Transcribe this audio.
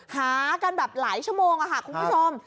หากันแบบหลายชั่วโมงค่ะคุณผู้ชม